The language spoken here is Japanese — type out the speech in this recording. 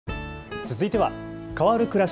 続いては変わるくらし